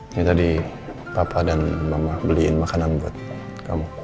ini tadi papa dan mama beliin makanan buat kamu